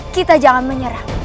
kita jangan menyerah